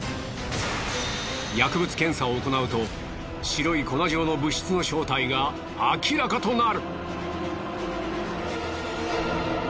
薬物検査を行うと白い粉状の物質の正体が明らかとなる。